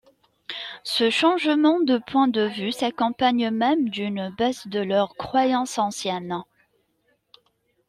Ce changement de point de vue s'accompagne même d'une baisse de leurs croyances anciennes.